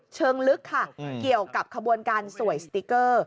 เชิงลึกค่ะเกี่ยวกับขบวนการสวยสติ๊กเกอร์